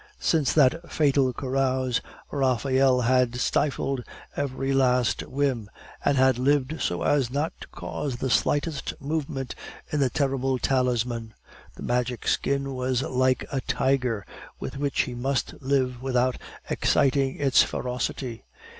Since that fatal carouse, Raphael had stifled every least whim, and had lived so as not to cause the slightest movement in the terrible talisman. The Magic Skin was like a tiger with which he must live without exciting its ferocity.